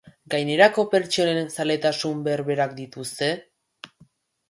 Gainerako pertsonen zaletasun berberak dituzte?